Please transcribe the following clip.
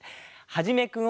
はじめくん。